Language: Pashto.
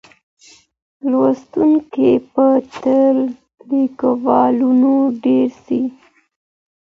لوستونکي به تر ليکوالانو ډېر سي.